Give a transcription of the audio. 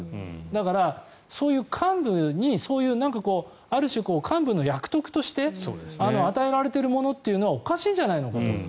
だから、そういう幹部にある種、幹部の役得として与えられているものっていうのはおかしいんじゃないかと。